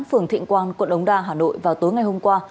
phường thịnh quang quận đống đa hà nội vào tối ngày hôm qua